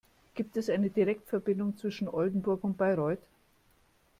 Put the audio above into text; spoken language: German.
Gibt es eine Direktverbindung zwischen Oldenburg und Bayreuth?